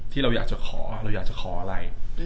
ที่เราจะอยากคออะไร